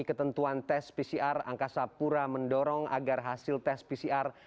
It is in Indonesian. dan memenuhi ketentuan tes pcr angkasa pura mendorong agar hasil tes pcr